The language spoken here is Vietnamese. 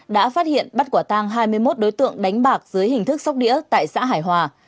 đã phát hiện bắt quả tang hai mươi một đối tượng đánh bạc dưới hình thức sóc đĩa tại xã hải hòa